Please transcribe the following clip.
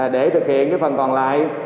để thực hiện phần còn lại